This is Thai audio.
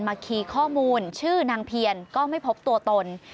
คีย์ข้อมูลชื่อนางเพียนก็ไม่พบตัวตน